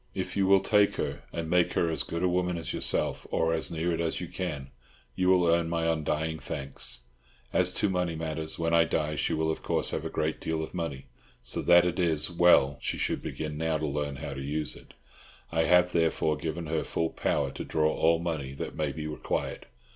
If you will take her, and make her as good a woman as yourself, or as near it as you can, you will earn my undying thanks. As to money matters, when I die she will of course have a great deal of money, so that it is well she should begin now to learn how to use it; I have, therefore, given her full power to draw all money that may be required.